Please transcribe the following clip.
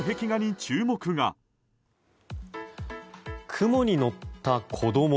雲に乗った子供。